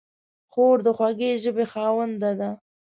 خور د خوږې ژبې خاوندې ده.